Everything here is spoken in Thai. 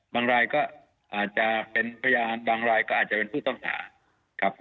รายก็อาจจะเป็นพยานบางรายก็อาจจะเป็นผู้ต้องหาครับ